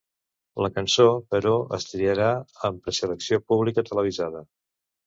La cançó, però, es triarà en preselecció pública televisada.